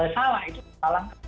salah itu salah